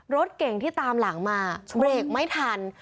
รถเก่งที่ตามหลังมาเบรกไม่ทัน